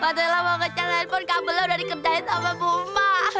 waktu ella mau nge chat handphone kabel lu udah dikerjain sama buma